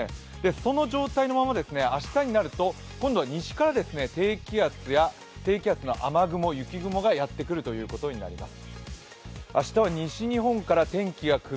その状態のまま明日になると今度は西から低気圧の雨雲、雪雲がやってくることになります。